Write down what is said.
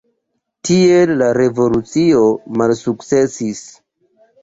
Tiel la revolucio malsukcesis.